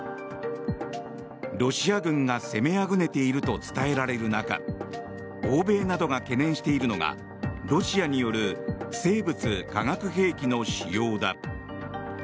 ロシア軍が攻めあぐねていると伝えられる中欧米などが懸念しているのがロシアによる生物・化学兵器の仕様だ。